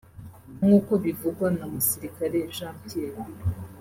nk’uko bivugwa na Musirikare Jean Pierre